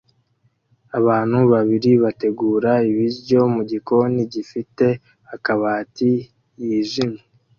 Abantu babiri bategura ibiryo mugikoni gifite akabati yijimye